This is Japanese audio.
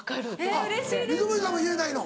あっ水森さんも言えないの？